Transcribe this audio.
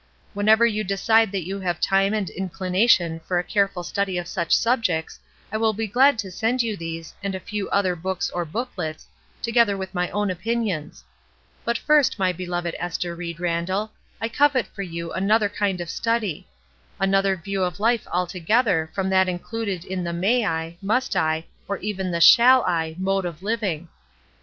Whenever you decide that you have time and inclination for a careful study of such subjects, I shall be glad to send you these, and a few other books or booklets, together with my own opinions. But first, my beloved Ester Ried Randall, I covet for you another kind of study; another view of life altogether from that included in the 'May I ?' 'Must I ?' or even the 'Shall I?' mode of living.